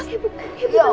ibu ibu kenapa